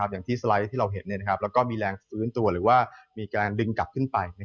อย่างที่สไลด์ที่เราเห็นแล้วก็มีแรงฟื้นตัวหรือว่ามีการดึงกลับขึ้นไป